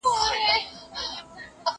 زما پر لاره برابر راسره مه ځه